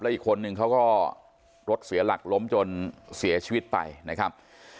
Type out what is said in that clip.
อีกคนนึงเขาก็รถเสียหลักล้มจนเสียชีวิตไปนะครับ